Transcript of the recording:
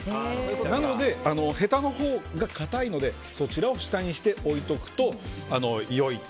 なので、へたのほうが硬いのでそちらを下にして置いておくと良い。